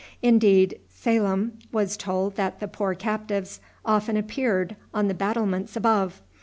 Indeed, Salam was told that the poor captives often appeared on the battlements above.